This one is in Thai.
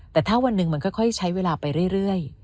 แต่ถ้าวันหนึ่งมันค่อยใช้เวลาไปเรื่อย